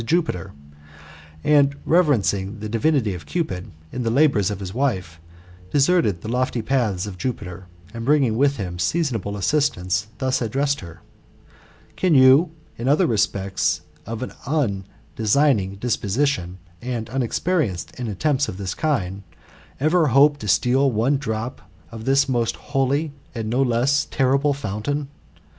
95 Jupiter ; and reverencing the divinity of Cupid, in the labours of his wife, deserted the lofty paths of Jupiter, and bringing with him seasonable assistance, thus addressed her : ^'Can you, in other respects of an undesigning disposition and unexperienced in attempts of this kind, ever hope to steal one drop of this most holy and no less terrible fountain